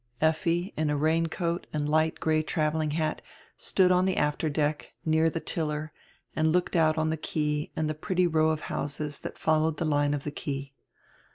Effi, in a raincoat and light gray traveling hat, stood on die after deck, near die tiller, and looked out upon die quay and die pretty row of houses that followed tire line of the quay.